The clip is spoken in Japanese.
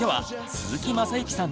鈴木雅之さん。